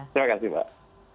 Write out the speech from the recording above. terima kasih mbak